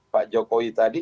pak jokowi tadi